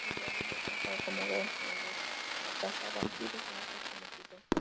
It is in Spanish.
Goddard ya había trabajado con Whedon en "Buffy, la cazavampiros" y "Ángel" como escritor.